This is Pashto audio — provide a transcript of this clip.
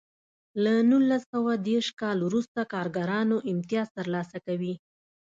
له نولس سوه دېرش کال وروسته کارګرانو امتیاز ترلاسه کوی.